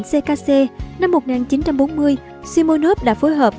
ckc năm một nghìn chín trăm bốn mươi simonov đã phối hợp